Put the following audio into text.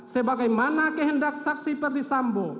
sebagai mana kehendak saksi perdisambo